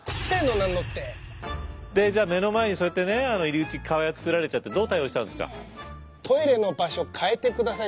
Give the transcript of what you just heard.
あら。じゃあ目の前にそうやってね厠作られちゃってどう対応したんですか？